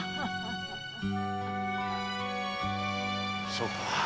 そうか。